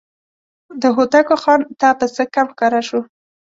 د هوتکو خان ته پسه کم ښکاره شو.